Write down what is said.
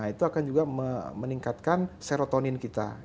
itu akan juga meningkatkan serotonin kita